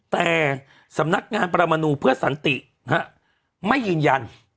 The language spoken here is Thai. แต่สำนักงานประมนูเพื่อสันติไม่ยืนยัน